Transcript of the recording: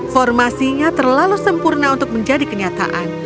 formasinya terlalu sempurna untuk menjadi kenyataan